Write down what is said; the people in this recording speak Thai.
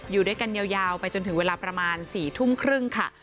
อยู่ด้วยกันยาวไปจนถึงเวลาประมาณ๔ทุ่มครึ่งค่ะ